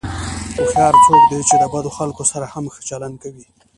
هوښیار څوک دی چې د بدو خلکو سره هم ښه چلند کوي.